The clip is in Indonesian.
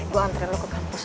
gue antrian lo ke kampus